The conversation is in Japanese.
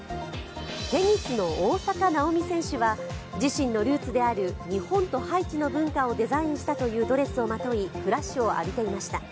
テニスの大坂なおみ選手は自身のルーツである日本とハイチの文化をデザインしたというドレスをまとい、フラッシュを浴びていました。